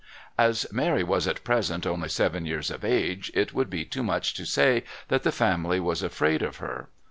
As Mary was at present only seven years of age it would be too much to say that the family was afraid of her.